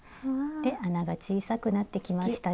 穴が小さくなってきましたね。